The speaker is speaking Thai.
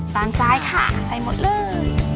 ด้านซ้ายค่ะไปหมดเลย